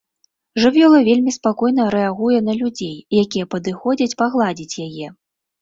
Жывёла вельмі спакойна рэагуе на людзей, якія падыходзяць пагладзіць яе.